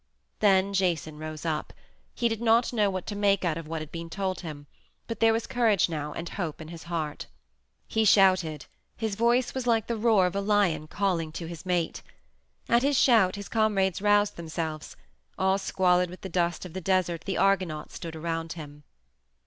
Then Jason rose up. He did not know what to make out of what had been told him, but there was courage now and hope in his heart. He shouted; his voice was like the roar of a lion calling to his mate. At his shout his comrades roused themselves; all squalid with the dust of the desert the Argonauts stood around him.